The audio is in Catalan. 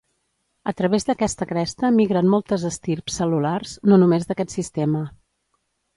A través d'aquesta cresta migren moltes estirps cel·lulars, no només d'aquest sistema.